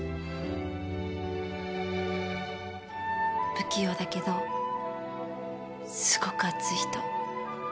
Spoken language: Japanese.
不器用だけどすごく熱い人。